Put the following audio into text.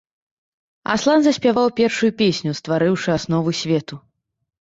Аслан заспяваў першую песню, стварыўшы аснову свету.